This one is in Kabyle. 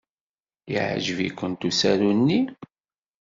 Yeɛjeb-ikent usaru-nni?